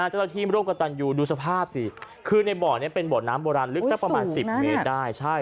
ให้ระเบิ้ลทีมร่วมกับตัญญูดูสภาพซิคือในบ่อเป็นบ่อน้ำโบราณครดลึกสัก๑๐เมตรได้